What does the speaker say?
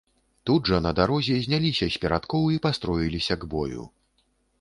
Тут жа на дарозе зняліся з перадкоў і пастроіліся к бою.